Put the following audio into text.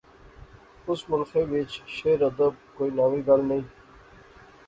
اس ملخے وچ شعر ادب کوئی ناوی گل نئیں